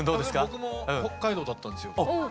僕も北海道だったんですよ。